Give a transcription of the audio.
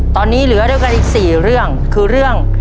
ตอนนี้เหลือด้วยกันอีก๔เรื่องคือเรื่อง